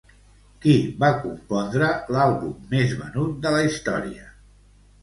Qui va compondre l'àlbum més venut de la història?